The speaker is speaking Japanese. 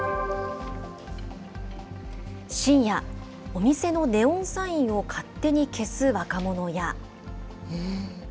深夜、お店のネオンサインを勝手に消す若者や。